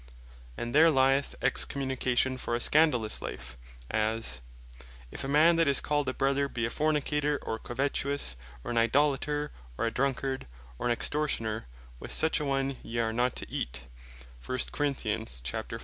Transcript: And there lyeth Excommunication for a Scandalous Life, as (1 Cor. 5. 11.) "If any man that is called a Brother, be a Fornicator, or Covetous, or an Idolater, or a Drunkard, or an Extortioner, with such a one yee are not to eat."